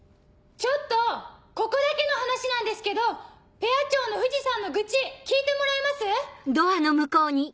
ちょっとここだけの話なんですけどペア長の藤さんの愚痴聞いてもらえます？